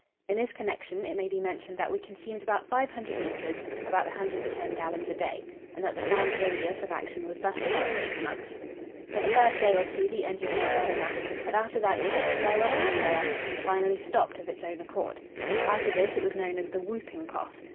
In this connection it may be mentioned that we consumed about 500 litres (about 110 gallons) a day, and that the Fram's radius of action was thus about six months. For the first day or two the engine went well enough, but after that it went slower and slower, and finally stopped of its own accord. After this it was known as the "Whooping Cough."